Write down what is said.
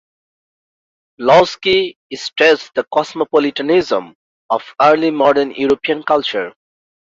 Lossky stressed the cosmopolitanism of early modern European culture.